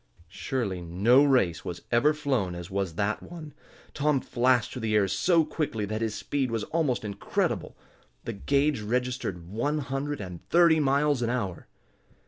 Surely no race was ever flown as was that one! Tom flashed through the air so quickly that his speed was almost incredible. The gage registered one hundred and thirty miles an hour!